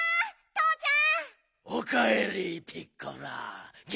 とうちゃん！？